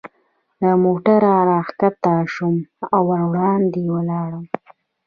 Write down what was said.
له موټره را کښته شوم او وړاندې ولاړم.